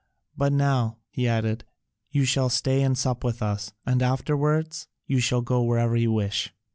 But now," he added, "you shall stay and sup with us, and afterwards you shall go wherever you wish."